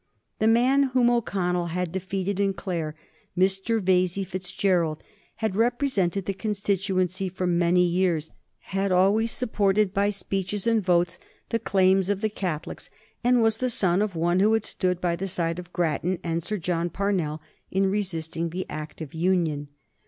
The man whom O'Connell had defeated in Clare, Mr. Vesey Fitzgerald, had represented the constituency for many years, had always supported by speeches and votes the claims of the Catholics, and was the son of one who had stood by the side of Grattan and Sir John Parnell in resisting the Act of Union.